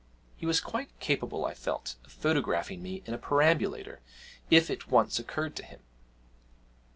(He was quite capable, I felt, of photographing me in a perambulator, if it once occurred to him!)